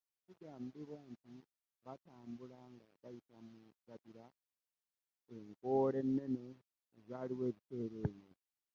Kigambibwa nti baatambula nga bayita mu gabira, enkoola ennene ezaaliwo ebiseera ebyo.